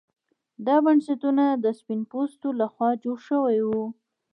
دا بنسټونه د سپین پوستو لخوا جوړ شوي وو.